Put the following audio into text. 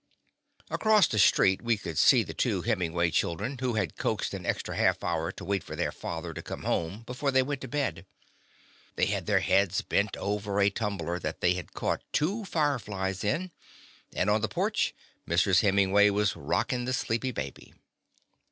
Across the street we could see the two Hemingway children, who had coaxed an extra half hour to wait for their father to come home before they went to bed. They had their heads bent over a tumbler that they had caught two fireflies in, and on the porch Mrs. Hemingway was rockin' the sleepy baby.